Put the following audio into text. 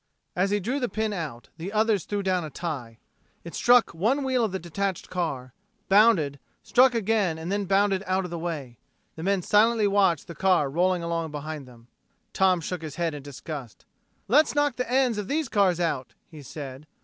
As he drew the pin out, the others threw a tie down. It struck one wheel of the detached car, bounded, struck again and then bounded out of the way. The men silently watched the car rolling along behind them. Tom shook his head in disgust. "Let's knock the ends of these cars out," he said.